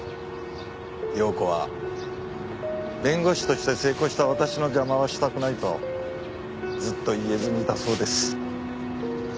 洋子は弁護士として成功した私の邪魔はしたくないとずっと言えずにいたそうです。